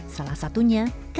salah satunya kartija